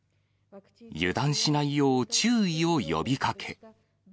油断しないよう注意を呼びかけ。